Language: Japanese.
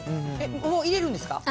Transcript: もう入れるんですか？